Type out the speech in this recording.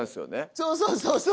そうそうそうそう。